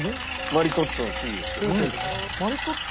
マリトッツォの次です。